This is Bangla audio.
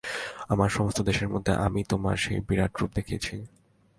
আমার সমস্ত দেশের মধ্যে আমি তোমার সেই বিরাট রূপ দেখেছি।